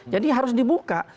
jadi harus dibuka